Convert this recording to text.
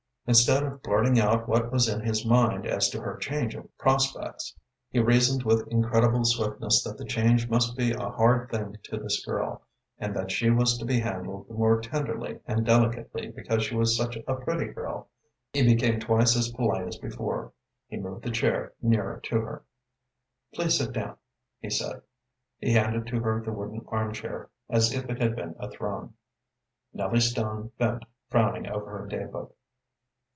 Instead of blurting out what was in his mind as to her change of prospects, he reasoned with incredible swiftness that the change must be a hard thing to this girl, and that she was to be handled the more tenderly and delicately because she was such a pretty girl. He became twice as polite as before. He moved the chair nearer to her. "Please sit down," he said. He handed to her the wooden arm chair as if it had been a throne. Nellie Stone bent frowning over her day book.